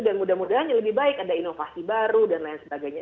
dan mudah mudahan lebih baik ada inovasi baru dan lain sebagainya